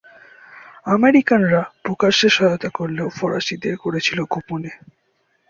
আমেরিকানরা প্রকাশ্যে সহায়তা করলেও ফরাসিদের করেছিল গোপনে।